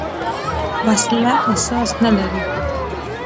وسله احساس نه لري